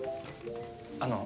あの。